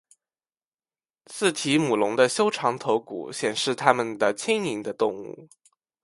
似提姆龙的修长骨头显示它们的轻盈的动物。